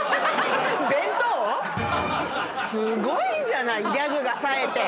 弁当⁉すごいじゃないギャグがさえて。